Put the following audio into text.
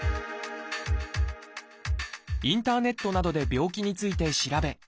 インターネットなどで病気について調べ